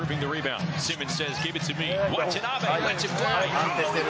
「安定してる。